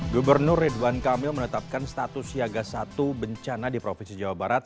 gubernur ridwan kamil menetapkan status siaga satu bencana di provinsi jawa barat